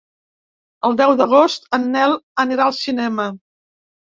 El deu d'agost en Nel anirà al cinema.